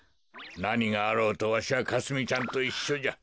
なにがあろうとわしはかすみちゃんといっしょじゃ。